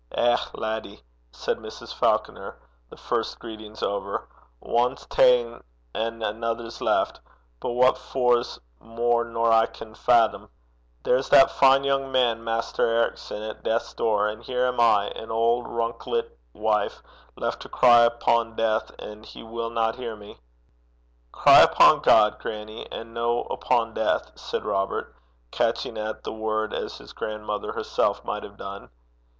'Eh, laddie!' said Mrs. Falconer, the first greetings over, 'ane 's ta'en an' anither 's left! but what for 's mair nor I can faddom. There's that fine young man, Maister Ericson, at deith's door; an' here am I, an auld runklet wife, left to cry upo' deith, an' he winna hear me.' 'Cry upo' God, grannie, an' no upo' deith,' said Robert, catching at the word as his grandmother herself might have done.